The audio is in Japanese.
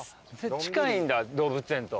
近いんだ動物園と。